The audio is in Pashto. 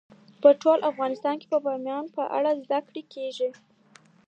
په ټول افغانستان کې د بامیان په اړه زده کړه کېږي.